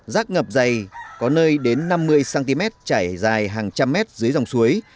rác ngập dày có nơi đến năm mươi cm chảy dài hàng trăm mét dưới dòng suối